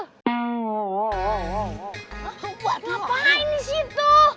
ngapain di situ